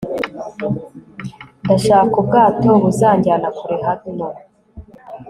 ndashaka ubwato buzanjyana kure hano